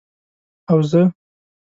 او زه،